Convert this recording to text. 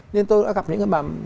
nên tôi đã gặp những bà